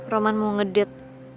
roman mau ngedit